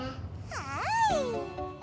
はい！